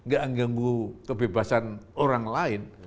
gak mengganggu kebebasan orang lain